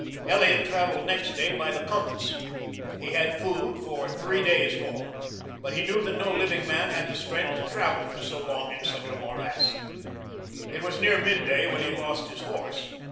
Elliot traveled next day by the compass. He had food for three days more, but he knew that no living man had the strength to travel for so long in such a morass. It was near midday when he lost his horse.